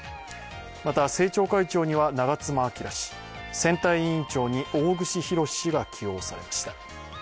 また、政調会長には長妻昭氏選対委員長に大串博志氏が起用されました。